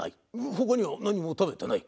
他には何も食べてない？